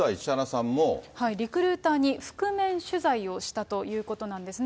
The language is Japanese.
リクルーターに、覆面取材をしたということなんですね。